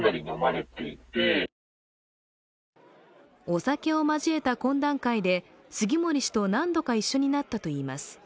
お酒を交えた懇談会で、杉森氏と何度か一緒になったといいます。